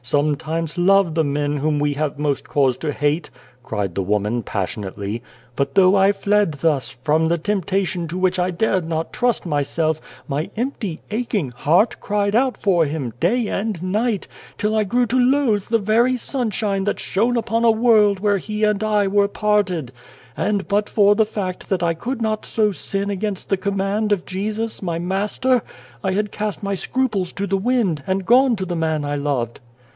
sometimes love the men whom we have most cause to hate," cried the woman passionately. " But though I fled thus, from the temptation to which I dared not trust myself, my empty, aching heart cried out for him, day and night, till I grew to loathe the very sunshine that shone upon a world where he and I were parted ; and but for the fact that I could not so sin against the command of Jesus, my Master, I had cast my scruples to the wind, and gone to the man I loved.